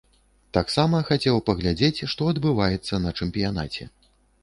Таксама хацеў паглядзець, што адбываецца на чэмпіянаце.